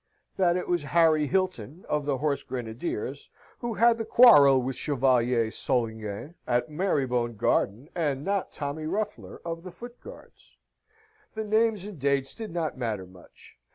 that it was Harry Hilton, of the Horse Grenadiers, who had the quarrel with Chevalier Solingen, at Marybone Garden, and not Tommy Ruffler, of the Foot Guards? The names and dates did not matter much.